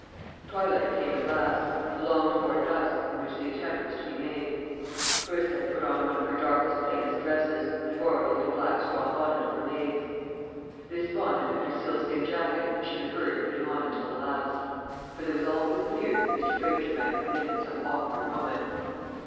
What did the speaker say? Twilight came at last, the longed for dusk, in which the attempt was to be made. Clarissa had put on one of her darkest plainest dresses, and borrowed a little black straw bonnet of her maid's. This bonnet and her sealskin jacket she deferred putting on until the last; for there was always the fear that Mr. Granger might come in at some awkward moment.